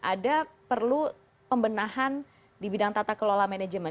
ada perlu pembenahan di bidang tata kelola manajemen